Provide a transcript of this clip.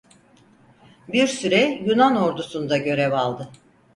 Bir süre Yunan Ordusu'nda görev aldı.